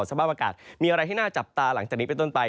สภาพอากาศมีอะไรที่น่าจับตาหลังจากนี้เป็นต้นไป